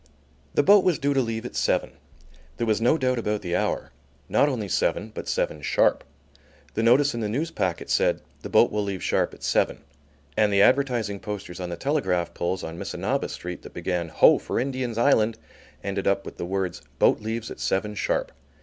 The boat was due to leave at seven. There was no doubt about the hour, not only seven, but seven sharp. The notice in the Newspacket said: "The boat will leave sharp at seven;" and the advertising posters on the telegraph poles on Missinaba Street that began "Ho, for Indian's Island!" ended up with the words: "Boat leaves at seven sharp."